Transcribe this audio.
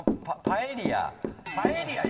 「パエリア」